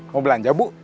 mau belanja bu